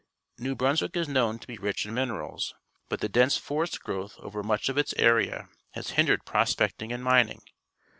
— New Brunswick is known to be rich in minerals, but the dense forest growth over much of its area has hindered prospecting and mining.